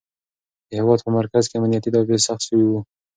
د هېواد په مرکز کې امنیتي تدابیر سخت شوي وو.